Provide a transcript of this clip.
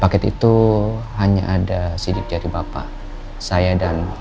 paket itu hanya ada sidik jari bapak saya dan